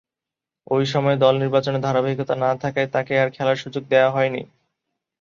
ঐ সময়ে দল নির্বাচনে ধারাবাহিকতা না থাকায় তাকে আর খেলার সুযোগ দেয়া হয়নি।